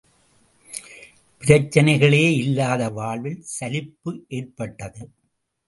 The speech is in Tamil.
பிரச்சனைகளே இல்லாத வாழ்வில் சலிப்பு ஏற்பட்டது.